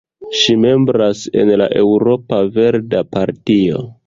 Ŝi membras en la Eŭropa Verda Partio.